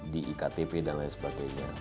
di iktp dan lain sebagainya